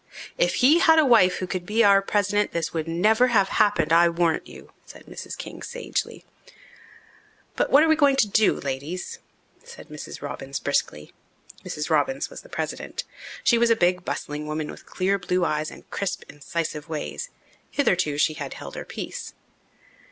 "If he had a wife who could be our president this would never have happened, I warrant you," said Mrs. King sagely. "But what are we going to do, ladies?" said Mrs. Robbins briskly. Mrs. Robbins was the president. She was a big, bustling woman with clear blue eyes and crisp, incisive ways. Hitherto she had held her peace.